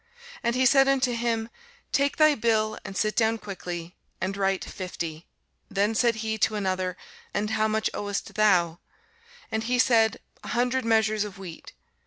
And he said unto him, Take thy bill, and sit down quickly, and write fifty. Then said he to another, And how much owest thou? And he said, An hundred measures of wheat.